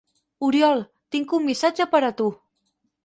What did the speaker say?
Oriol, tinc un missatge per a tu!